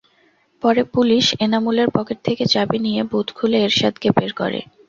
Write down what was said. পরে পুলিশ এনামুলের পকেট থেকে চাবি নিয়ে বুথ খুলে এরশাদকে বের করে।